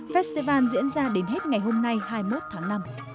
festival diễn ra đến hết ngày hôm nay hai mươi một tháng năm